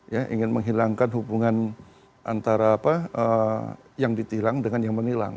ya ingin menghilangkan hubungan antara apa yang ditilang dengan yang menilang